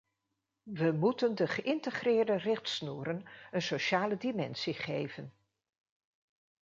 We moeten de geïntegreerde richtsnoeren een sociale dimensie geven.